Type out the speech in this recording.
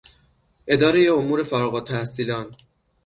ادارهی امور فارغالتحصیلان